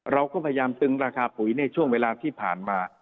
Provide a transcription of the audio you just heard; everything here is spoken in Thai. เราก็พยายามตึงราคาปุ๋ยในช่วงเวลาที่ผ่านมา